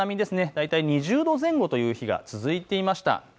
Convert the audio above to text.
大体２０度前後という日が続いていました。